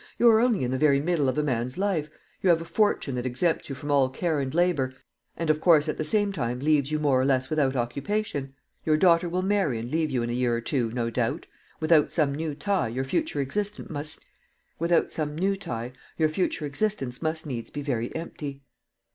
You are only in the very middle of a man's life; you have a fortune that exempts you from all care and labour, and of course at the same time leaves you more or less without occupation. Your daughter will marry and leave you in a year or two, no doubt. Without some new tie your future existence must needs be very empty."